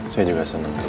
saya juga senang ibu